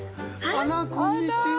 あらこんにちは。